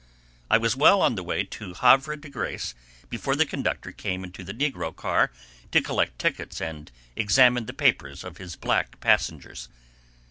I was well on the way to Havre de Grace before the conductor came into the negro car to collect tickets and examine the papers of his black passengers.